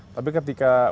tapi ketika udah